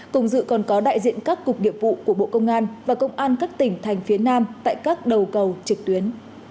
cùng dự còn có đại diện các cục nghiệp vụ của bộ công an và công an các tỉnh thành phía nam tại các đầu cầu trực tuyến